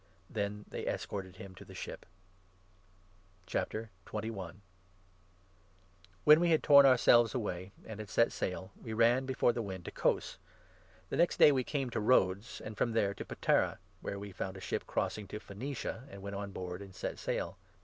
Then they escorted him to the ship. . Paul When we had torn ourselves away and had i ; •t Tyro. set sail, we ran before the wind to Cos ; the next day we came to Rhodes, and from there to Patara, where we 2 found a ship crossing to Phoenicia, and went on board and set sail.